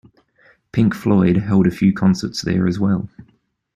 Pink Floyd held a few concerts there as well.